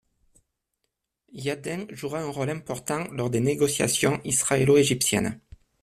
Yadin jouera un rôle important lors des négociations israélo-égyptiennes.